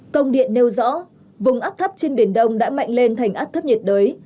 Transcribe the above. công điện nêu rõ vùng áp thấp trên biển đông đã mạnh lên thành áp thấp nhiệt đới